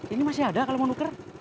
ini masih ada kalau mau nuker